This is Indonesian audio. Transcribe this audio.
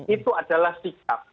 itu adalah sikap